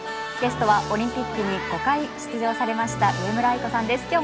ゲストはオリンピックに５回出場されました上村愛子さんです。